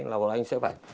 là bọn anh sẽ phải